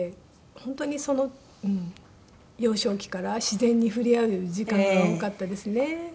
本当に幼少期から自然に触れ合う時間が多かったですね。